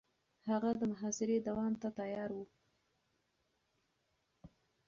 هغه د محاصرې دوام ته تيار و.